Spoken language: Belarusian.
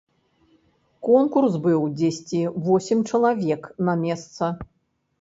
Конкурс быў дзесьці восем чалавек на месца.